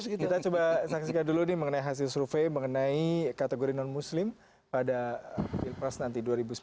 kita coba saksikan dulu nih mengenai hasil survei mengenai kategori non muslim pada pilpres nanti dua ribu sembilan belas